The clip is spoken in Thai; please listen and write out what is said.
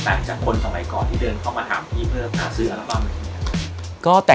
อย่างพอว่าเด็กยุคนิดนึงจะแข็งต่อได้ไหม